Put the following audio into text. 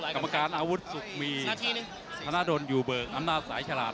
กรรมการอาวุธสุขมีธนดลอยู่เบิกอำนาจสายฉลาด